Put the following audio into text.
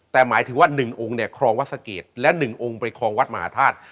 แต่หมายถึงว่าหนึ่งองค์คลองวัดสเกตและหนึ่งองค์ไปคลองวัดมหาธาตุ